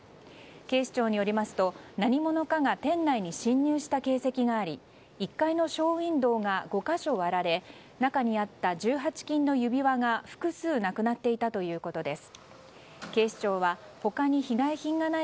警視庁によりますと何者が店内に侵入した形跡があり１階のショーウィンドーが５か所割られ中にあった１８金の指輪が複数なくなっていたということです。